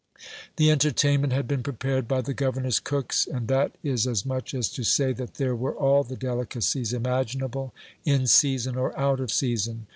The entertainment had been prepared by the governor's cooks ; and that is as much as to say, that there were all the delicacies imaginable, in season or out of season.